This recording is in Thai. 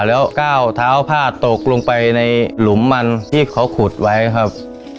แล้วก้าวเท้าผ้าตกลงไปในหลุมมันที่เขาขุดไว้ครับ